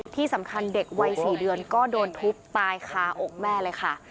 ที่สำคัญเด็กวัย๔เดือนก็โดนทุบตายคาอกแม่เลยค่ะ